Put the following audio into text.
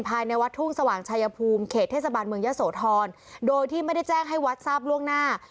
ภายในวัดทุ่งสว่างชายภูมิเขตเทศบาลเมืองยะโสธรโดยที่ไม่ได้แจ้งให้วัดทราบล่วงหน้า